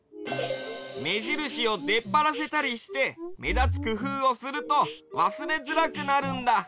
めじるしをでっぱらせたりしてめだつくふうをするとわすれづらくなるんだ。